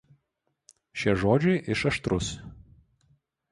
Šie žodžiai iš „aštrus“.